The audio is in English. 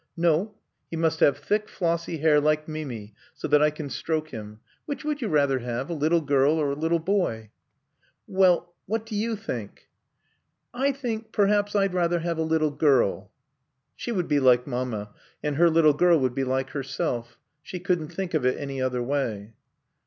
"No. He must have thick, flossy hair like Mimi, so that I can stroke him. Which would you rather have, a little girl or a little boy?" "Well what do you think ?" "I think perhaps I'd rather have a little girl." She would be like Mamma, and her little girl would be like herself. She couldn't think of it any other way.